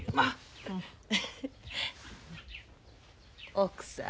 奥さん。